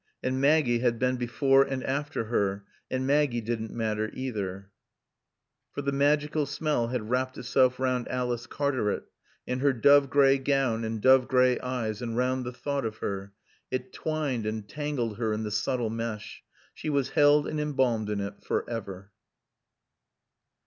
And Maggie had been before and after her. And Maggie didn't matter either. For the magical smell had wrapped itself round Alice Cartaret, and her dove gray gown and dove gray eyes, and round the thought of her. It twined and tangled her in the subtle mesh. She was held and embalmed in it forever.